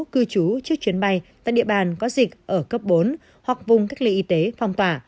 cư trú trước chuyến bay và địa bàn có dịch ở cấp bốn hoặc vùng các lĩnh y tế phong tỏa